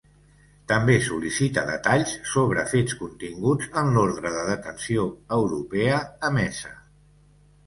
També sol·licita detalls sobre fets continguts en l’ordre de detenció europea emesa.